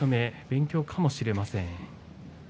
勉強かもしれません。